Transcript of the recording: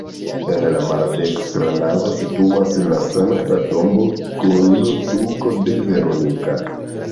En la maldekstra navo situas la Sankta Tombo kun tuko de Veronika.